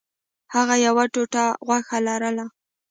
هغه یوه ټوټه غوښه لرله.